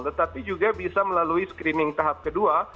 tetapi juga bisa melalui screening tahap kedua